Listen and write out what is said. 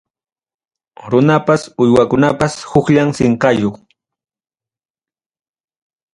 Runapas uywakunapas hukllam sinqayuq.